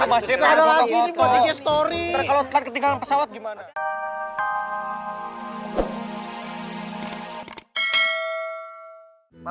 ntar kalau selesai ketinggalan pesawat gimana